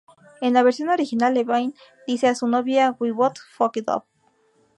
En la versión original, Levine dice a su novia "We both fucked up".